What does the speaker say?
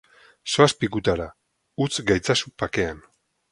Zoaz pikutara! Utz gaitzazu bakean!